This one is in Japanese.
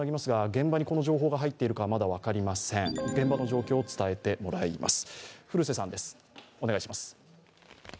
現場の状況を伝えてもらいます。